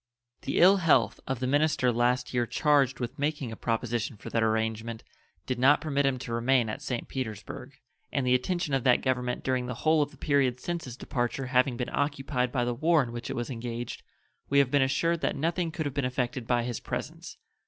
The ill health of the minister last year charged with making a proposition for that arrangement did not permit him to remain at St. Petersburg, and the attention of that Government during the whole of the period since his departure having been occupied by the war in which it was engaged, we have been assured that nothing could have been effected by his presence.